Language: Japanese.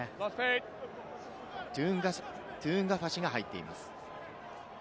トゥウンガファシが入っています。